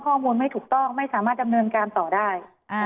ข้อมูลไม่ถูกต้องไม่สามารถดำเนินการต่อได้